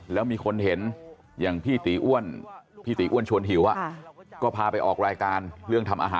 แล้วมีคนเห็นอย่างพี่ตีอ้วนพี่ตีอ้วนชวนหิวก็พาไปออกรายการเรื่องทำอาหาร